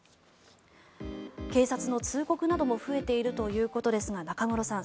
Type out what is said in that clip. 警察の通告なども増えているということですが中室さん